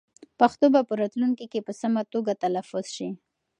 پښتو به په راتلونکي کې په سمه توګه تلفظ شي.